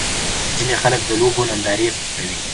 ځینې خلک د لوبو نندارې خوښوي.